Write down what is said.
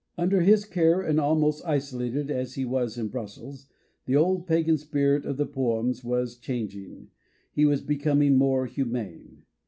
Under his cares and almost isolated as he was in Brussels the old pagan spirit of the poems was changing, he was becoming more humane.